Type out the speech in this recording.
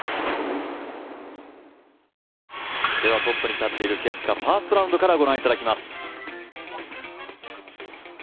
ではトップに立っているケプカ、ファーストラウンドからご覧いただきます。